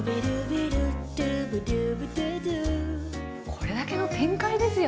これだけの展開ですよね。